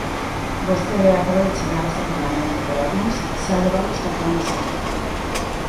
Vostede acaba de chegar a este Parlamento pero algúns xa levamos catro anos aquí.